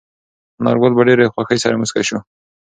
انارګل په ډېرې خوښۍ سره موسکی شو.